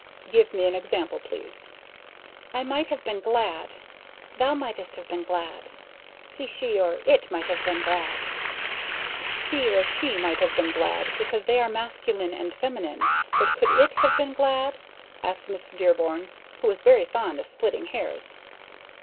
"Give me an example, please." "I might have been glad Thou mightst have been glad He, she, or it might have been glad." "'He' or 'she' might have been glad because they are masculine and feminine, but could 'it' have been glad?" asked Miss Dearborn, who was very fond of splitting hairs.